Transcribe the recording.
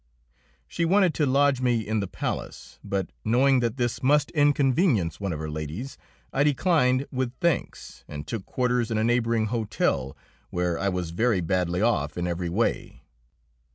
She wanted to lodge me in the palace, but, knowing that this must inconvenience one of her ladies, I declined with thanks and took quarters in a neighbouring hotel, where I was very badly off in every way.